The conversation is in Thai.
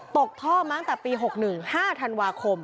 ตกท่อมาตั้งแต่ปี๖๑๕ธันวาคม